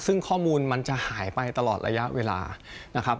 ซึ่งข้อมูลมันจะหายไปตลอดระยะเวลานะครับ